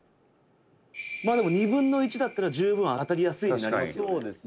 「まあでも２分の１だったら十分当たりやすいになりますよね」